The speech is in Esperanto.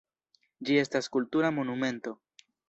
Ĝi estas kultura monumento.